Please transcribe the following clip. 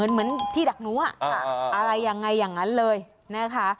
เหมือนที่ดักหนูอะไรยังไงอย่างนั้นเลยนะคะ